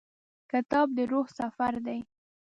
کتاب د روح سفر دی.